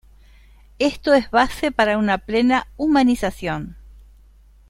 Esto es base para una plena humanización.